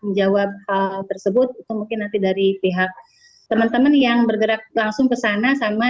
menjawab hal tersebut itu mungkin nanti dari pihak teman teman yang bergerak langsung ke sana sama